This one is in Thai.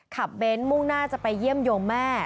เบ้นมุ่งหน้าจะไปเยี่ยมโยมแม่